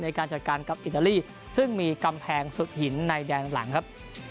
ในการจัดการกับอิตาลีซึ่งมีกำแพงสุดหินในแดนหลังครับ